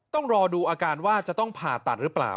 ต้องรอดูอาการว่าจะต้องผ่าตัดหรือเปล่า